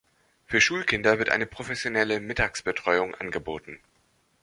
Für Schulkinder wird eine professionelle Mittagsbetreuung angeboten.